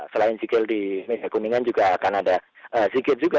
selain zikir di kuningan juga akan ada sikit juga